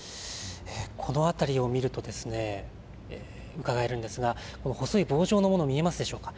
この辺りを見るとうかがえるんですがこの細い棒状のもの、見えますでしょうか。